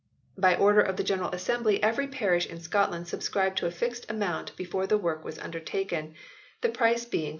By order of the General Assembly every parish in Scotland subscribed a fixed amount before the work was undertaken, the price being 4.